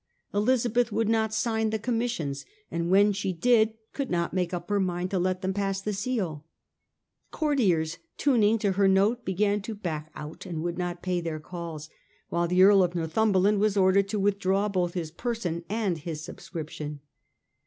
Elizabeth would not sign the commissions; and when she did could not make up her mind to let them pass the seal Courtiers tuning to her note began to back out and would not pay their calls, while the Earl of Northumberland was ordered to withdraw both his person and his subscription.